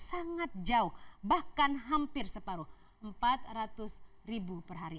sangat jauh bahkan hampir separuh empat ratus ribu per hari